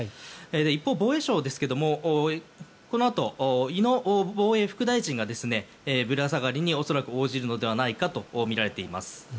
一方、防衛省はこのあと防衛副大臣がぶら下がりに恐らく応じるのではないかとみられています。